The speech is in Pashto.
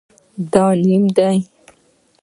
دا نیم دی